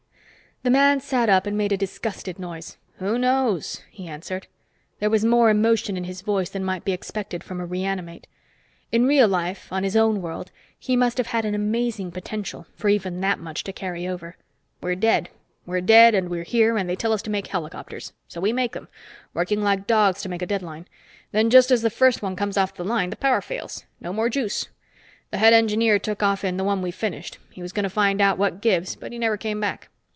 The man sat up and made a disgusted noise. "Who knows?" he answered. There was more emotion in his voice than might be expected from a reanimate; in real life on his own world, he must have had an amazing potential for even that much to carry over. "We're dead. We're dead, and we're here, and they tell us to make helicopters. So we make them, working like dogs to make a deadline. Then, just as the first one comes off the line, the power fails. No more juice. The head engineer took off in the one we finished. He was going to find out what gives, but he never came back.